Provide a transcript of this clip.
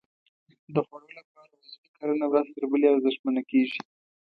د خوړو لپاره عضوي کرنه ورځ تر بلې ارزښتمنه کېږي.